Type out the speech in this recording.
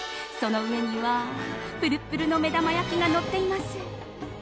その上にはプルプルの目玉焼きがのっています。